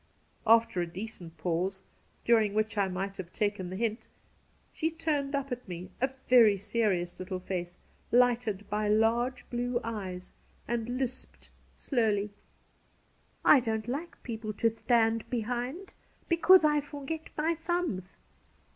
After a decent pause, during which I might have taken the hint, she turned up at me a very serious little face lighted by large blue eyes, and hsped slowly :' I don't like people to thtand behind, becauth I fordet my thums.'